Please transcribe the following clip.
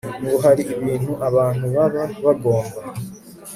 ngo hari ibintu abantu baba bagomba